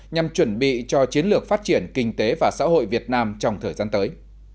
nhằm chuẩn bị cho chiến lược phát triển kinh tế và xã hội việt nam trong thời gian tới